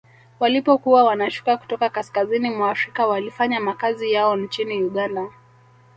Walipokuwa wanashuka kutoka kaskazini mwa Afrika walifanya makazi yao nchini Uganda